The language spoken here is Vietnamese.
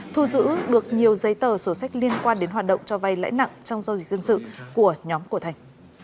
thu giữ được nhiều giấy tờ sổ sách liên quan đến hoạt động cho vay lãi nặng trong giao dịch dân sự của nhóm của thành